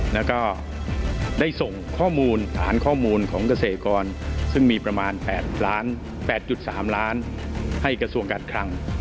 แล้วก็ได้ส่งข้อมูลฐานข้อมูลของเกษตรกรซึ่งมีประมาณ๘๓ล้านให้กระทรวงการคลัง